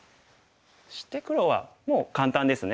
そして黒はもう簡単ですね。